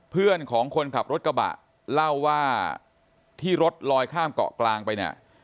เพื่อนของคนขับรถกระบะเล่าว่าที่รถลอยข้ามเกาะกลางไปเนี่ย